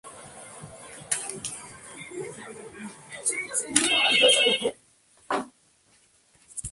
El parque cuenta con camping de travesía, senderismo, acampada y trineos tirados por perros.